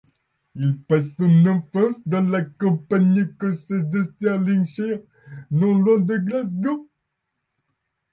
Il passe son enfance dans la campagne écossaise de Sterlingshire, non loin de Glasgow.